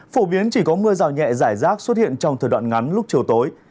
phổ biến chỉ có mưa rào nhẹ giải rác xuất hiện trong thời đoạn ngắn lúc chiều tối